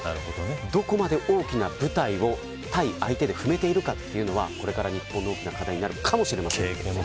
どこまで大きな舞台を対相手で踏めているかというのはこれから日本の課題になるかもしれません。